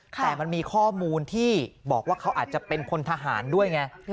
แต่มันมีข้อมูลที่บอกว่าเขาอาจจะเป็นพลทหารด้วยไง